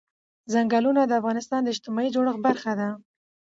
ځنګلونه د افغانستان د اجتماعي جوړښت برخه ده.